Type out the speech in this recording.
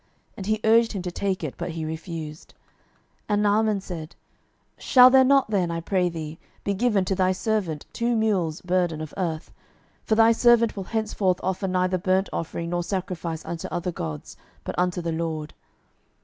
And he urged him to take it; but he refused. 12:005:017 And Naaman said, Shall there not then, I pray thee, be given to thy servant two mules' burden of earth? for thy servant will henceforth offer neither burnt offering nor sacrifice unto other gods, but unto the LORD.